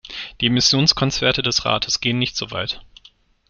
Die Emissionsgrenzwerte des Rates gehen nicht so weit.